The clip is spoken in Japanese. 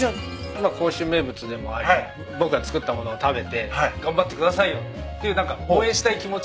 まあ甲州名物でもあり僕が作った物を食べて頑張ってくださいよっていう何か応援したい気持ち。